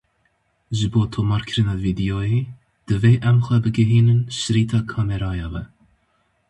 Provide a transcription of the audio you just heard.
Ji bo tomarkirina vîdeoyê divê em xwe bigihînin şirîta kameraya we.